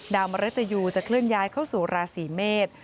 มริตยูจะเคลื่อนย้ายเข้าสู่ราศีเมษ